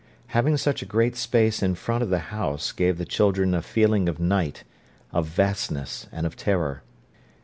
Having such a great space in front of the house gave the children a feeling of night, of vastness, and of terror.